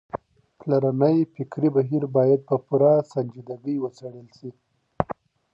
پلرنی فکري بهير بايد په پوره سنجيدګۍ وڅېړل سي.